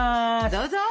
どうぞ。